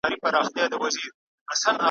زما د عمرونو په خمار کي به نشه لګېږې `